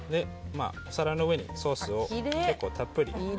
お皿の上にソースを結構たっぷり。